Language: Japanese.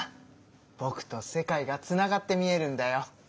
「ぼく」と「世界」がつながって見えるんだよ。